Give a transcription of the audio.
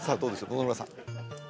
野々村さん